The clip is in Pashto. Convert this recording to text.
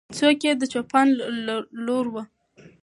څوک یې د چوپان لور وه؟